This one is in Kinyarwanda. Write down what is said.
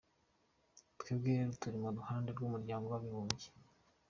Twebwe rero turi ku ruhande rw’ Umuryango w’Abibumbye.”